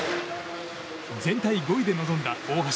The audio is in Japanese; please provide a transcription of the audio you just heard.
全体５位で臨んだ大橋。